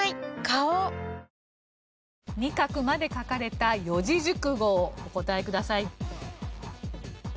花王二画まで書かれた四字熟語をお答えください。